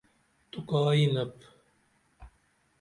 تو کا یِنپ؟